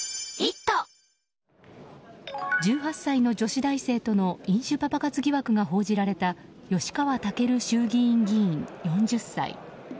１８歳の女子大生との飲酒パパ活疑惑が報じられた吉川赳衆議院議員、４０歳。